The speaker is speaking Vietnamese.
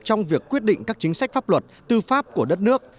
trong việc quyết định các chính sách pháp luật tư pháp của đất nước